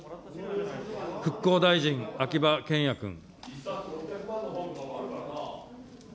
復興大臣、秋葉賢也君。